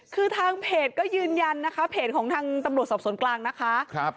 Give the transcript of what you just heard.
คือทางเพจก็ยืนยันนะคะเพจของทางตำรวจสอบสวนกลางนะคะ